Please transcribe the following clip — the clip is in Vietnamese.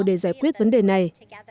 để giải quyết vấn đề này